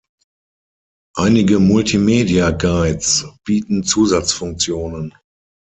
Einige Multimedia-Guides bieten Zusatzfunktionen.